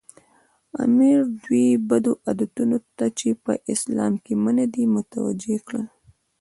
امیر دوی بدو عادتونو ته چې په اسلام کې منع دي متوجه کړل.